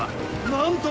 なんと！